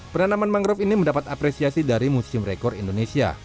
penanaman mangrove ini mendapat apresiasi dari museum rekor indonesia